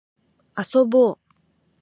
遊ぼう